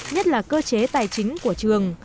nhất là cơ chế tài chính của trường